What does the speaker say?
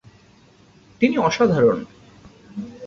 তিনি অসাধারণ।